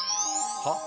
はっ？